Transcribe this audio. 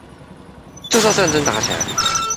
就是要戰爭打起來